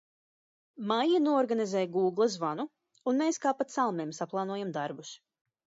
Maija noorganizē Gūgle zvanu, un mēs kā pa celmiem saplānojam darbus.